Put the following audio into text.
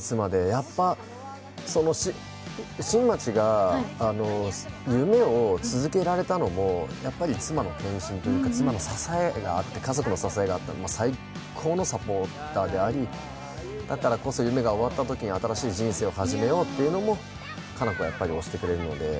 やっぱり、新町が夢を続けられたのも、妻の献身というか、妻の、家族の支えがあって、最高のサポーターでありだからこそ夢が終わったときに新しい人生を始めようということも果奈子がおしてくれるので。